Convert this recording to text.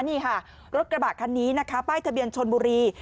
นี่ค่ะรถกระบะคันนี้นะคะป้ายทะเบียนชนบุรี